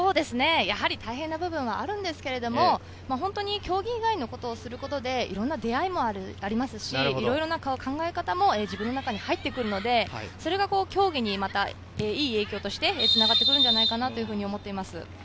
大変な部分はあるんですけれど、競技以外のことをすることで、いろいろな出会いもありますし、いろいろな考え方も自分の中に入ってくるので、それが競技にいい影響としてつながってくるのではないかと思ってます。